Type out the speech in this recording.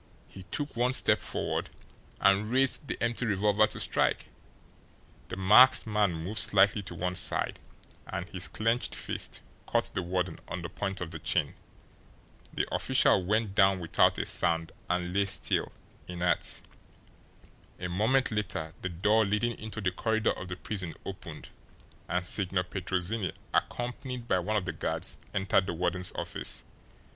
He took one step forward and raised the empty revolver to strike. The masked man moved slightly to one side and his clenched fist caught the warden on the point of the chin. The official went down without a sound and lay still, inert. A moment later the door leading into the corridor of the prison opened, and Signor Petrozinni, accompanied by one of the guards, entered the warden's office.